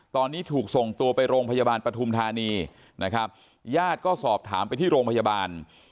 ตอนนี้ถูกส่งตัวไปโรงพยาบาลปฐุมธานีนะครับญาติก็สอบถามไปที่โรงพยาบาล